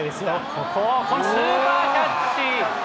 ここをスーパーキャッチ。